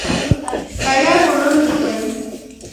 Kaikai kona chupainik